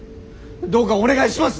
どうかお願いします！